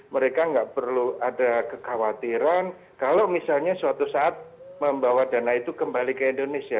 mereka nggak perlu ada kekhawatiran kalau misalnya suatu saat membawa dana itu kembali ke indonesia